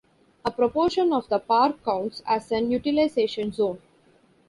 A proportion of the park counts as a utilisation zone.